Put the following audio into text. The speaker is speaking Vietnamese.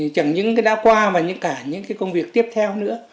chẳng những cái đã qua mà những cái công việc tiếp theo nữa